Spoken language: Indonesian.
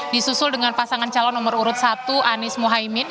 disusul dengan pasangan calon nomor urut satu anies mohaimin